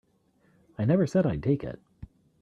I never said I'd take it.